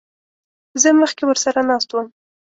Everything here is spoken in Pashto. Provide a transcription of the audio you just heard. زه مخکې ورسره ناست وم.